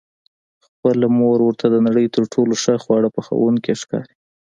خپله مور ورته د نړۍ تر ټولو ښه خواړه پخوونکې ښکاري.